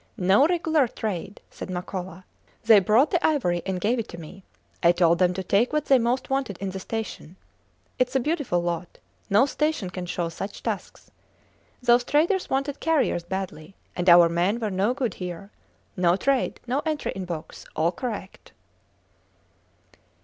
No regular trade, said Makola. They brought the ivory and gave it to me. I told them to take what they most wanted in the station. It is a beautiful lot. No station can show such tusks. Those traders wanted carriers badly, and our men were no good here. No trade, no entry in books: all correct.